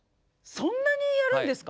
そんなにやるんですか？